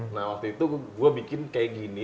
nah waktu itu gue bikin kayak gini